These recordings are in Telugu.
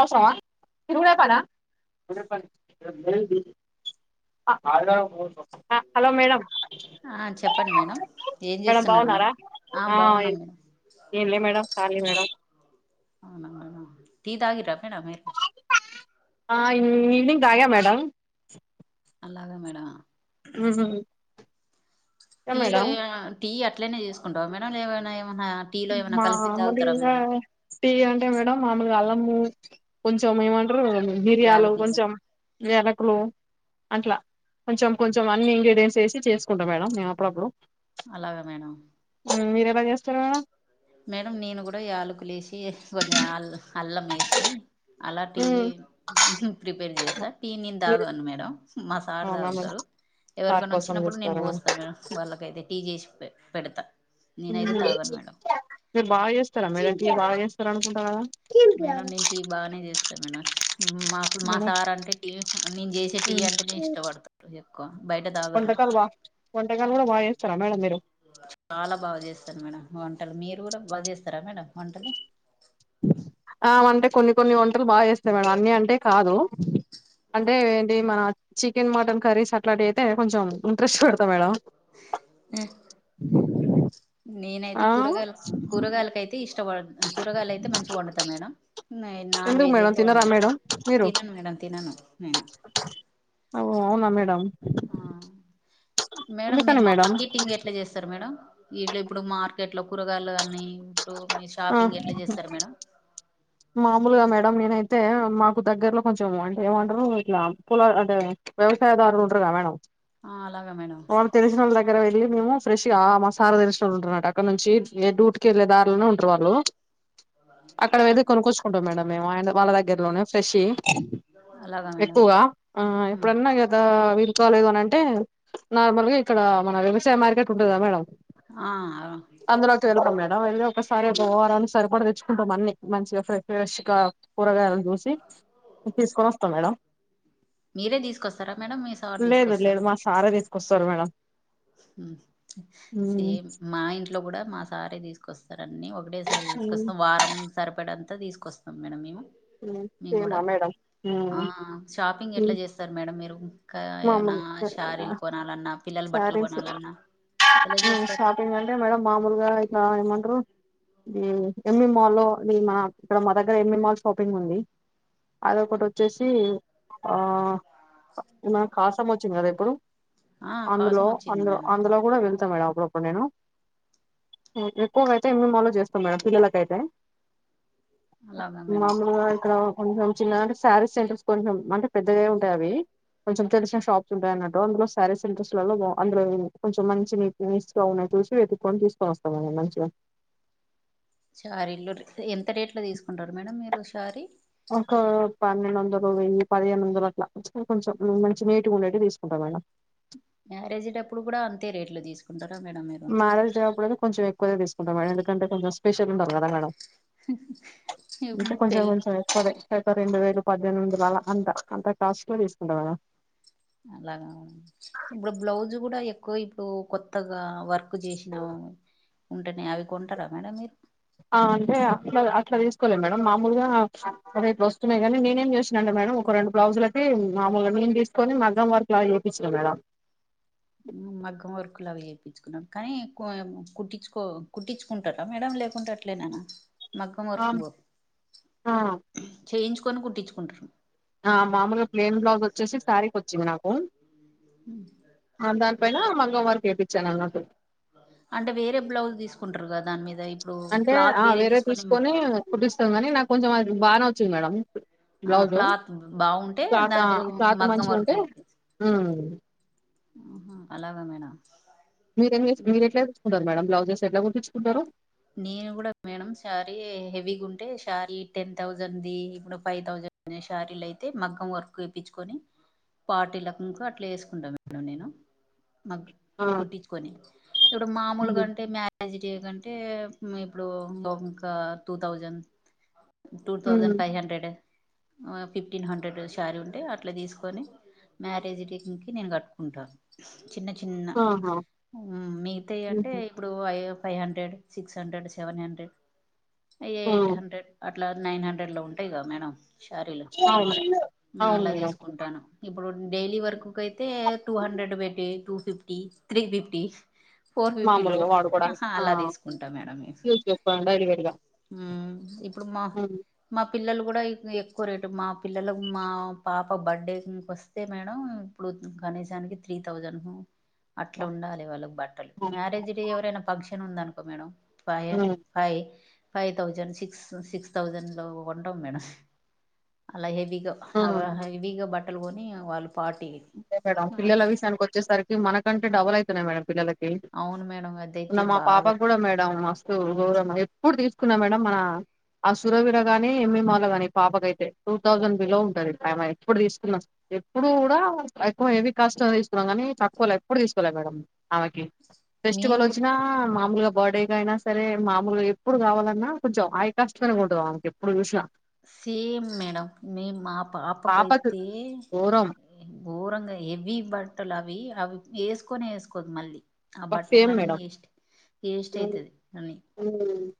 అవసరమా తిరుగుడే పనా డే పనీ హలో మేడం ఆ చెప్పండి మేడం ఏం మేడం చేస్తున్నారు బాగున్నారా ఆ ఆ బాగున్నాం మేడం ఏంలే మేడం కాళీ మేడం అవున టి తగిర్రా ఆ ఇ [unintelligible] గ్ గాయ మేడం అలాగా మేడం ఆ టీలో ఏ టీ అట్లనే చేసుకుంటావా మేడం లే ఏైనా మామలుగా మీరు టీ అంటే మేడం మామలుగా అళ్ళం కొంచం ఏమన్ టారు మిర్యాలు యాలకులా మేడం కొంచం యలకులు అట్లా కొంచెం కొంచెం అన్ని ఇంగ్రిడియంట్స్ వేసి చేసుకుంటా మేడం నేను అప్పుడప్పుడు అలాగా మేడం మీరేలా చేస్తారు మేడం మేడం నేను కూడా ఈ ఆలుకులేసి కొంచెం అల్ అల్లం వేసి అలా టీ మేడం ప్రిపేర్ చేస్తా టీ నేను మీరు తాగాను మేడం మా సార్ అవునా మేడం తాగుతారు సార్ ఎవరికన్నా కోసం వచ్చినప్పుడు నేను చేస్తారా పోస్తా మేడం వాళ్ళకైతే టీ చేసుంటే పెడత ఉ మీరు బాగా చేస్తారా మేడం టీ బాగా చేస్తారు అనుకుంటా కదా మేడం నేను టీ బాగానే చేస్తా మేడం మాకు మా మేడం సార్ అంటే టీ నేను చేసే టీ అంటే నేను ఇష్టపడతారు ఎక్కువ బయట తాగరు అస్తారా మేడం మీరు. చాలా బాగా జెస్తాారు మేడం వంటలు మీరు కూడా బాగా జెస్తారా మేడం వంటలు. అ అంటే కొన్ని కొన్ని వంటలు బాగా చేస్తాయి మేడం అన్నీ అంటే కాదూ అంటే ఏంటి మన చికెన్ మటన్ కర్రీస్ అట్లాంటివి అయితే కొంచెం ఇంట్రెస్ట్ పెడతా మేడం. నేనైతే ఆ కూరగాయలు కూరగాయలకైతే ఇష్. కూరగాయలు అయితే మంచిగా వంతా మేడం నేన్ నాన్ ఎందుకు వెజ్ మేడం అయితే తినరా వొండలే మేడం మీరు తినను మేడం తినను నేను. అవునా మేడం ఆ మేడం మీరు అందుకని మేడం మార్కెటింగ్ ఎట్లా చేస్తారు మేడం ఇట్లా ఇప్పుడు మా. మార్కెట్ లో కూరగాయలు అన్నీ. ఇప్పుడు మీ ఆ షాపింగ్ ఎట్లా జెస్తారు మేడం. మామూలుగా మేడం నేనైతే మాకు దగ్గరలో కొంచెం అంటే ఏమంటారు ఇట్లా పొల అంటే వ్యవసాయదారులు ఉంటారుగా మేడం. ఆ, అలాగా మేడం అవున్ చెప్పండి తెలిసినోళ్ల దగ్గర వెళ్లి. మేము ఫ్రెష్ గా మ సార్ కు తెలిసినోళ్లు ఉంటున్నట అక్కడ నుంచి ఎ డ్యూటీకెళ్లే దారులోనే ఉంటారు వాళ్ళు. [inaudible] కొనుకూచుకుంటాం మేడ మేము అయన వాళ్ళ దగ్గరలోనే ఫ్రెష్ యి అలాగా మేడం ఎక్కువగా అ మ్మ్ ఎప్పుడన్నా కదా. అ విలుకలేదు అని అంటే నార్మల్గా ఇక్కడ మన వ్యవసాయం మార్కెట్ ఉంటంది గద మేడం. ఆ అందులో కెళ్తాం మేడం వెళ్లి. ఒక్కసారి గోవరాన్ సరి కూడా తెచ్చుకుంటాం అన్ని. మంచిగా ప్రే ప్రేష్ గ కూరగాయలు చూసి తీసుకొని వొస్తాం మేడం. మీరే తీసుకొస్తారా మేడం మీ సార్ తీసుకొస్తార. కోస్సర్ మేడం. ఉ సేమ్ మా ఇంట్లో గుడా మా. సారే తీసుకొస్తా. అన్నీ ఒకటేసారి తీసుకొస్తా వారమ్. సరిపడ అంతా తీసుకొస్తాం మేడం మేము. మేము కూడా సేమా మేడం ఆ ఉమ్ షాపింగ్ ఎట్లా జెస్తారు మేడం మీరు ఇంకా ఏమన్నా షారీలు కొనాలన్నా. పిల్లల బట్టలు సారీస్ కొనాలన్నా ఎలా ఊమ్ చేస్తారు షాపింగ్ అంటే మేడం మామూలుగా ఇట్లా ఏమంటారు. ఈ ఎమ్ మీమ్ మాల్లో మి మా ఇక్కడ మా దగ్గర ఎమ్ మీమ్ మాల్ షాపింగ్ ఉందీ అదొ ఒకటి వచ్చేసి ఆ. నిన్న కాసమ్ మొచ్చింది గద ఎ. ఇప్పుడు. ఆ అందులో కాసం వచ్చింది అందులో మేడం అందులో కూడా వెళ్తా మేడం అపు. నేను ఎక్కువగాయితే మిమలు చేస్తాం మేడం పిల్లలకయితే. అలాగా మేడం మాములుగా ఇక్కడ కొంచం. చిన్నంటే శారీస్ సెంటర్స్ కొంచెం అంటే పెద్దదే ఉంటాదే అదీ కొంచెం తెలిసిన షాప్స్ ఉంటాయిన్నట్టు అందులో శారీస్. సెంటలలో వ అందులో కొంచం మంచివీ చూసుకొని చూసి వెతుకొని తీసుకొని వస్తామండి మంచిగ. రీలు ఎంత డేట్ లో తీసుకుంటారు మేడం మీరు రీ ఒక పన్నెండు వందలు వెయ్యి పదిహేను వందలు అట్లా కొంచెం మంచి నేటిగా ఉండేవి తీసుకుంటాం మేడం మ్యారేజ్టప్పుడు కూడా అంతే రేట్ లో తీసుకుంటారు మారలు జేబప్పుడ కొంచెం ఎక్కువగా తీసుకుంటా మేడం ఎందుకంటే కొంచెం స్పెషల్ ఉండాడం ఇకా కొంచెం పెళ్ళి కొంచెం ఎ కొర అ రెండు వేలు పద్దెనిమిది వాళ్ అంత అంత కాస్ట్ లో తీసుకుంటవాళ్ళ అలాగా ఉవు ఇప్పుడు బ్లౌజ్ కూడా ఎక్కువ ఇకు ఇప్పుడు కొత్తగా వర్క్ చేసినా ఉంటేనే అవి కొంటారా మేడం మీరు అంటే అట్లా అట్లా తీసుకోలే మేడం మామూలుగా రేపు వస్తుమే కానీ నేనేం చూసినాంటే మేడ ఒక రెండు బ్లౌజులటి మామూలుగా నేను తీసుకొని మగ్గం వరకు అలా చేయిించినా మేడం మీరు మగ్గం వర్కులు అవి చేయిించుకున్నా కానీ కుట్టించుకో కుట్టించుకుంటారా మేడం లేకుంట అట్లేననా మక్కం మొరకు ఆ చేంచ ని కుట్ంచుకుంటారు ఆ మామూలుగా ప్లేైన్ బ్లాస వచ్చేసి సారీకి వచ్చింది నాకు ఆ దానిపైనా మ ార్ కపించాను అంగట్టు అంటే వేరే బ్లౌజ్ తీసుకుంటారు కదా దాని మీద అంటే ఆ వేరే తీసుకొని కుుట్స్త కానీ నాకు కొంచెం అది బానే వచ్చింది మేడడం ఆ క్లాత్ బాగుంటే క్లాత్ ఆ దాని మీద క్లాత్ మగ్గం మంచిగా ఉంటే వరకు అలాగా మేడం మీరు ఇంకా మీరు ఎట్లే చూసుకుంటారు మేడం బ్లౌజెస్ ఎలార్ంచుకుంటారు నేను కూడా మేడం శారీ హెవీగా ఉంటే ారీ టెన్ థౌజండ్ది ఇప్పుడు ఫైవ్ థౌజండ్ శారీలు అయితే మగ్గం వర్క్ చేప్పంచుకొని పటీలం అట్లా వేసుకుంటాను మేడం నేను మ ఆ! కుట్టించుకొని ఇప్పుడు మామూలు హ్మ్. కంటే మ్యాజిక్ చేగం అంటే ఇప్పుడు ఇంకా టూ థౌజండ్ హ్మ్. Two thousand five hundred fifteen hundred sari ఉంటే అట్లా తీసుకొని మ్యారేజ్ డేంగ్కి నేను కట్టుకుంటాను చిన్న చిన్న ఆహా మిగతా అంటే హుహు. ఇప్పుడు అయ ఫైవ్ హండ్రెడ్ సిక్స్ హండ్రెడ్ సె హండ్రెడ్ ఎయిట్ హ్మ్. హండ్రెడ్ అట్లా నైన్ హండ్రెడ్ లో ఉంటాయి కద మేడడం షారీలు అవును అవును అలా మేడం తీసుకుంటాను ఇప్పుడు డైలీ వర్క్ క అయితే టూ హండ్రెడ్ పెట్టటి two fifty three fifty four మామూలుగా వాడుకోవడానికి ఫిఫ్టీలోహా ఆ! అలా తీసుకుంటా మేడం యూజ్ చేసుకోవడం డైలీ వేర్ గా అప్పుడుమా మా పిల్లలు కూడా ఎక్కువ రేటు మా పిల్లలకు మా పాప బర్త్డే వస్తే మేడం ఇప్పుడు కనీసానికి త్రీ థౌజండ్ అట్లా ఉండాలి వాళ్ళకి బట్టలు మ్యారేజ్ డే ఎవరైనా పంక్షన్ ఉందనుకో మేడం ఫయ అదే ఫై ఫైవ్ థౌజండ్ సిక్స్ సిక్స్ తౌసండ్లో కొంటాం మేడమ్ అలా హే హెవీగా బట్ట బట్టలుకొని వాళ్ళు పార్టీ ే మేడం పిల్లల విషయానికి వచ్చేసరికి మనకంటే డబల్ అయితున్నాయి మేడం పిల్లలకి కి అవును మేడం మొన్న అదైతే మా బాగా పాపకు కూడా మేడం గౌరమ ఎప్పుడు తీసుకున్నా మేడం మన ఆ సురవిర గాని ఎమ్మి మాలు గాని పాపక అయితే టూ థౌజండ్ బిలో ఉంటది టై ఎప్పుడు తీసుకున్నా ఎప్పుడు కూడా ఎక్కువ హెవీ కాస్ట్ తీసుకున్నాం కానీ తక్కువల ఎప్పుడు తీసుకోలే మేడం ఆమెకి ఫెస్టివల్ మేము కూడా వచ్చినా మామూలుగా బాడీకైన సరే మాములుగా ఎప్పుడు కావాలన్నా కొంచెం హై కాస్ట్ గానే ఉంటది ఆమెకి ఎప్పుడు చూసినా సేమ్ మేడం మేం మా పాపకి పాపకైతే ఘోరం ఘోరంగా హేవీ బట్టలు అవి అవి వేసుకొనే వేసుకోదు మళ్ళీ ఆ సేమ్ బట్టలన్నీ మేడం ఏస్ ఏస్ట్ హ్మ్ అయితది అన్ని హ్మ్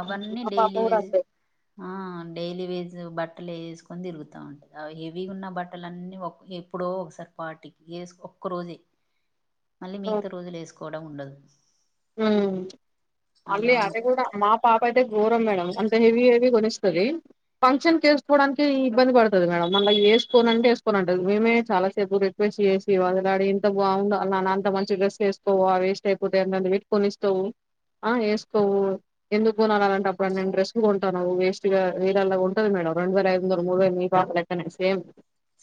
అవన్నీ మా పాప డైలీ కూడా వెజ్ అంతే ఆ డైలీ వెజ్ బట్ట బట్టలు వేసుకొని తిరుగుతూ ఉంటుంది హెవీ ఉన్న బట్టల అన్నీ ఎప్పుడో ఒకసారి పాటికి వేసు ఒక్క రోజే మళ్ళీ మిగతా రోజులు వేస్కో కూడా ఉండదు ఉమ్ అన్ని అలా అది ఉంటది కూడా మా పాప అయితే ఘోరం మేడం అంత హెవీ హెవీ కొనిస్తుంది ఫంక్షన్ క వేసుకోవడానికి ఇబ్బంది పడుతుంది మేడం మళ్ళీ పాపాయితే ఫోరం మేడమ్ అంత హెవీ హెవీ కొనిస్తాది ఫంక్షన్ కి వేసుకోవడానికి ఇబ్బంది పడతాడు మేడమ్ మల్లా వేసుకోని అంటే వేసుకోని ఉంటది మేమే చాలాసేపు రిక్వెస్ట్ చేసి వాదిలాడి ఇంత బాగుందో అ అన్న అంత మంచి డ్రెస్ వేసుకోవా వేస్ట్ అయిపోతా అ కొనిస్తావు ఆ వేసుకోవు ఎందుకు కొనాలంటే అప్పుడు నేను డ్రెస్ కొంటానావు వేస్ట్ గా వేలల్ల కొంటది మేడం రెండు వేల ఐదు వందల మూడు వేల మీ పాప లెక్కనే సేమ్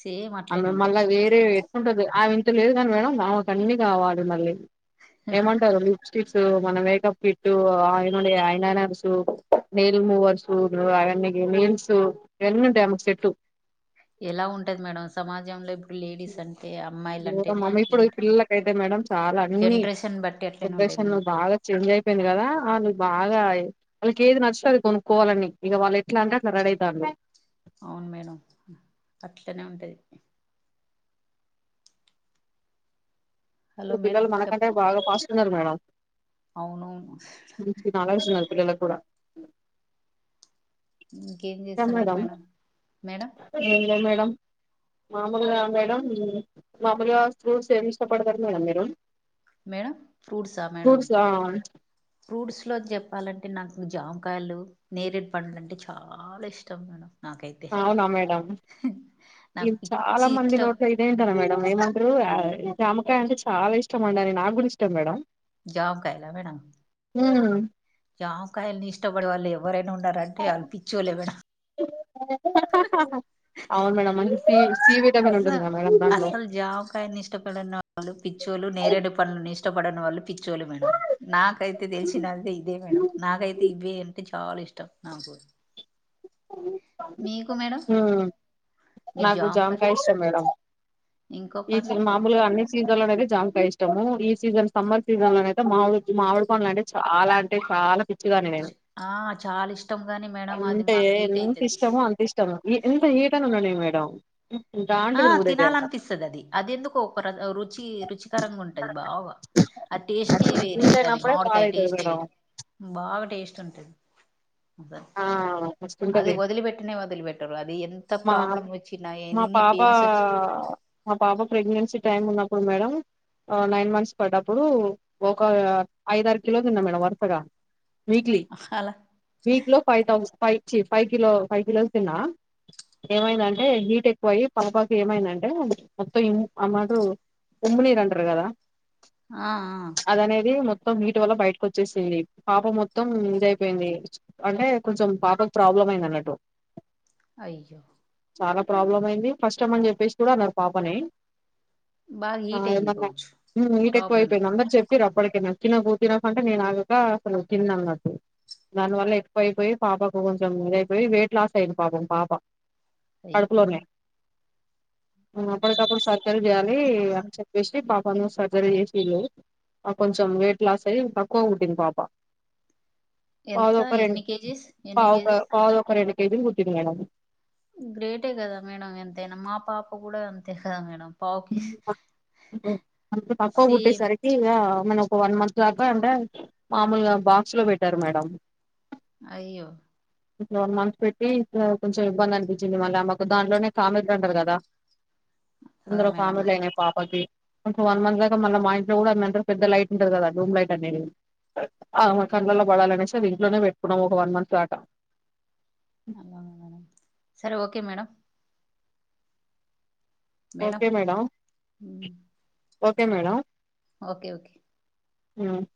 సేమ్ ఆ అట్లనే మే ఉంటది మళ్ళా సేమ్ వేరే ఎటుకుంటది ఆ లేదు గాని మేడం ఆమెకి అన్ని కావాలి మళ్ళీ ఏమంటారు క్ మన మేకప్ కిట్ ఆ ఐననర్స్ నెయిల్ మూవర్స్ అవ నీల్స్ ఇవన్నీ ఉంటాయి సెట్ ఎలా ఉంటది మేడం సమాజంలో లేడీస్ అంటే అమ్మాయిలు అంటేనే మమ్మీ ఇప్పుడు ఈ అట్లుంటాయి పిల్లలకయితే మేడం చాలా అన్ని జనరేషన్ బట్టి అట్లనే ఉంటాయి జనరేషన్ ను మేడం బాగా చేంజ్ అయిపోయింది కదా ను బాగా వాళ్ళకి ఏది నచ్చితే అది కొనుక్కోవాలని ఇక వాళ్ళు ఎట్లా అంటే అట్లా రెడీ అవుతారు అవును మేడం అట్లనే ఉంటది పిల్లలు మనకంటే బాగా పాస్ మేడమ్ అవును అ కూడా ఇంకేం చేస్తున్నారు మేడం మేడం ఏం మేడం మామూలుగా మేడం మామూలుగా ఫ్రూట్స్ ఏం ఇష్టపడతరూ మేడం మీరు మేడం ఫ్రూట్సా మేడం ఫ్రూట్స్ ఫ్రూట్స్ లో చెప్ చెప్పాలంటే నాకు జామకాయలు నేరేడు పండ్లు అంటే చాలా ఇష్టం మేడమ్ అవునా మేడం నాకు ఇది చాలా పిచ్చి మంది ఇష్టం నోట్లో ఇదే వింటాను మేడం ఏమంటారు జామకాయ అంటే చాలా ఇష్టం అండి అని నాకు కూడా ఇష్టం మేడం జవకాయలా మేడమ్ ఉ జామకాయలు నీ ఇష్టపడవాల లే ఎవర ఉండ రంటే అల్ పిచ్చులేవైన అవును మేడమ్ నిజం అసలు జామకాయను ఇష్టపడని వాళ్ళు పిచ్చోలు నేరేడు పండ్లను ఇష్టప పప్పడని వల్ల పిచ్చోలు మేడం నాకైతే తెలిసినతే ఇదే మేడం నాకైతే ఇవే అంటే చాలా ఇష్టం నాకు మీకు మేడం ఉమ్ నాకు కూడా జామకాయ ఇష్టం మేడం ఇంకో ఈ పండ్లు మామూలుగా అన్ని లో అయితే జామకాయ ఇష్టము ఈ సీజన్ సమ్మర్ సీజన్ లో అయితే మా మామిడి పండ్లు అంటే చాలా అంటే చాలా పిచ్చిదాన్ని నేను ఆ చాలా ఇష్టం కానీ మేడం అది అంటే మాకు హీట్ ఎంత అయితది ఇష్టమో అంత ఇష్టము ఎంత హీట్ అయిన ఉండని మేడం దాంట్లో ఆ తినబుద్ధి అయితది తినాల నాకు అనిపిస్తుంది అది అది ఎందుకు ఒక రుచి రుచికరంగా ఉంటది బాగా అది టేస్ట్ వేరే అది అట్లుంటేనప్పుడే బాధ మామిడికాయ అయితది టేస్టే మేడం వేరే బాగా టేస్ట్ ఉంటది. అద ఆ అది మస్తుంటది వదిలిపెట్టినే వదిలిపెట్టరుు అది ఎంత ఎంత ప్రాబ్లం వచ్చిన ఎన్ని పా పెయిన్స్ వచ్చినా మా పాప ప్రెగ్నెన్సీ టైమ్ ఉన్నప్పుడు మేడం నైన్ మంత్స్ పడ్డప్పుడు ఒక ఐద ఆరు కిలోలు తిన్నా మేడం వరుసగా వీక్లీ అలా వీక్ లో ఫైవ్ థౌసండ్ ఫైవ్ చ్చి ఫైవ్ కిలో ఫైవ్ కిలోస్ తిన్న ఏమైందంటే హీట్ ఎక్కువ అయ్యి పలపాకు ఏమైందంటే మొత్తం ఆ మాట ఉమ్మి నీరు అంటారు కదా ఆ ఆ అది అనేది మొత్తం హీట్ వల్ల బయటకు వచ్చేసింది పాప మొత్తం ఇదయిపోయింది అంటే కొంచెం పాపకు ప్రాబ్లం అయింది అన్నట్టు అయ్యో చాలా ప్రాబ్లం అయింది కష్టం అని చెప్పేసి కూడా అన్నారు పాపని బాగా ఆ హీట్ అయింది ఏమన్నా కావచ్చు హీట్ ప్రాబ్లం ఎక్కువైంది అందరు చెప్పి రబ్ ఇప్పటికి నచ్చినవీ తినక అంటే నేను ఆగక అసలు తిన్న అన్నట్టు దాని వల్ల ఎక్కువయిపోయి పాపకు కొంచెం ఇదయిపోయి వెయిట్ లాస్ అయింది పాపకు పాప అయ్యో కడుపులోనే ఆహా. అప్పటికప్పుడు సర్జరీ చేయాలి అని చెప్పేసి పం కొను సర్జరీ చేసి నారు కొంచెం వెయిట్ లాస్ అయ్యి తక్కువ పుట్టింది పాప పావు ఎంత తక్కువ రెండు ఎన్ని కేజీస్ ఎన్ని పావు క కేజీస్ పావు తక్కువ రెండు ఎదిరిపుట్టింది మేడం గ్రేటే కదా మేడం ఎంతైనా మా పాప కూడా అంతే కదా మేడం పావు కేజీ అంత తక్కవ పుట్టే సేమ్ సరికి ఇగ మన ఒక వన్ మంత్ దాకా అంటే మామూలుగా బాక్స్ లో పెట్టారు మేడం అయ్యో ఇట్లా వన్ మంత్ పెట్టి ఇక కొంచెం ఇబ్బంది అనిపించింది మళ్ళా ఆమెకు దాంట్లోనే కామెర్లు అంటారు కదా కదా అందురో మేడం ఒకామెకాయినాయి పాపకి కొంచం వన్ మంత్ లాగా మళ్ళీ మా ఇంట్లో కూడా అంటరు పెద్ద లైట్ ఉంటంది కదా డూమ్ లైట్ అనేది ఉమ్, ఆమే కడ్లల్లో బడాలే కచ్చి ఇంట్లోనే పెట్టుకున్నాం ఒక వన్ మంత్ దాకా అలా మేడం సరే okay madam madam okay madam okay okay ఉం